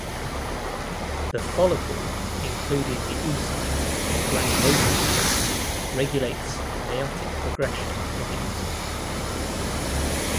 The follicle (including the oocyte and granulosa cells) regulates meiotic progression in the oocyte.